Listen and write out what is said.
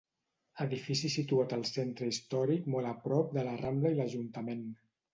Edifici situat al centre històric molt a prop de la Rambla i l'Ajuntament.